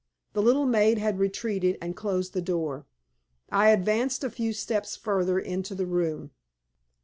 The little maid had retreated, and closed the door. I advanced a few steps further into the room.